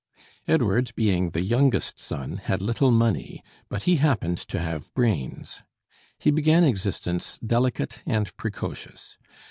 Edward, being the youngest son, had little money, but he happened to have brains. He began existence delicate and precocious.